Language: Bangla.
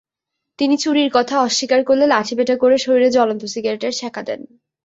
তিনি চুরির কথা অস্বীকার করলে লাঠিপেটা করে শরীরে জ্বলন্ত সিগারেটের ছেঁকা দেন।